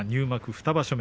２場所目。